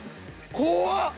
怖っ！